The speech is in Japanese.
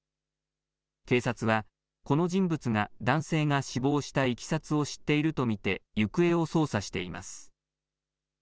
警察はこの人物が男性が死亡したいきさつを知っていると見て、行方を捜査しています。